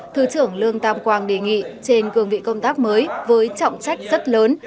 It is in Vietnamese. thứ trưởng lương tam quang đề nghị trên cường vị công tác mới với trọng trách rất lớn